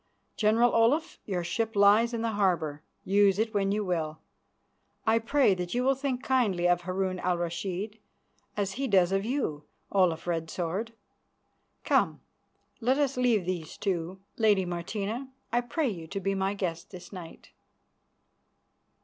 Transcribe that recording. General Olaf, your ship lies in the harbour; use it when you will. I pray that you will think kindly of Harun al Rashid, as he does of you, Olaf Red Sword. Come, let us leave these two. Lady Martina, I pray you to be my guest this night."